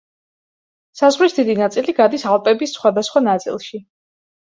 საზღვრის დიდი ნაწილი გადის ალპების სხვადასხვა ნაწილში.